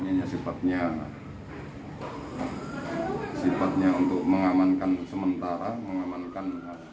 ini sifatnya sifatnya untuk mengamankan sementara mengamankan